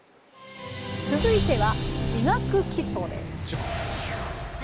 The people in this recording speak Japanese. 続いては「地学基礎」です。